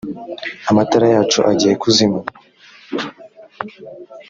amatara yacu agiye kuzima